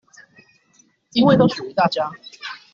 因為都屬於大家